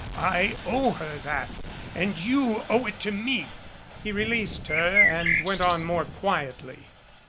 I owe her that and you owe it to me." He released her and went on more quietly.